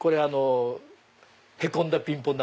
へこんだピンポン球。